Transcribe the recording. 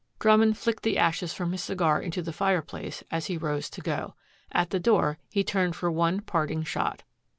Drummond flicked the ashes from his cigar into the fireplace as he rose to go. At the door he turned for one parting shot.